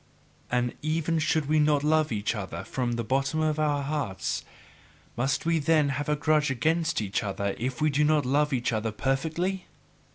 And even should we not love each other from the bottom of our hearts, must we then have a grudge against each other if we do not love each other perfectly?